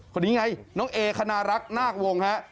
คนนี้ไงน้องเอคณรักนาควงฮะ